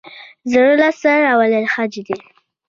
زړه لاس ته راوړل حج دی